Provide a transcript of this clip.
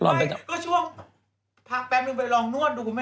ก็ช่วงพักแป๊บนึงไปลองนวดดูคุณแม่